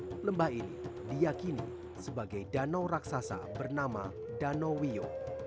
nah lembah ini diakini sebagai danau raksasa bernama danau wio